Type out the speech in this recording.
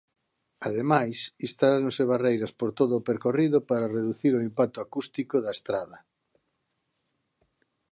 Ademais instaláronse barreiras por todo o percorrido para reducir o impacto acústico da estrada.